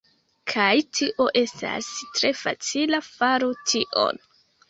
Kaj tio estas tre facila faru tion